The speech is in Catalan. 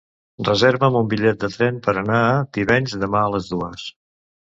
Reserva'm un bitllet de tren per anar a Tivenys demà a les dues.